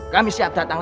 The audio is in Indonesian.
kami siap datang aja